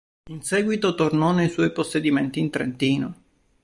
In seguito tornò nei suoi possedimenti in Trentino.